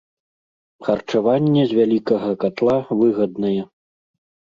Харчаванне з вялікага катла выгаднае.